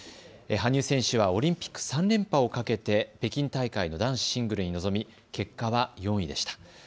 羽生選手はオリンピック３連覇をかけて北京大会の男子シングルに臨み、結果は４位でした。